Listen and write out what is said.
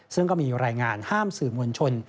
ซึ่งก็มีรายงานห้ามสื่อมวลชน